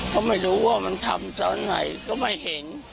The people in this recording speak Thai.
ก็ไม่รู้ว่ามันทำตอนไหนก็ไม่เห็น